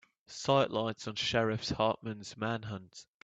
Sidelights on Sheriff Hartman's manhunt.